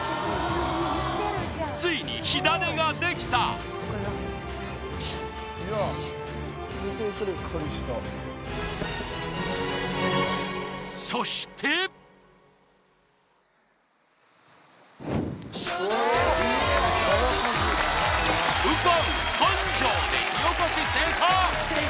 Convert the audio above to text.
ついに火種ができたそして右近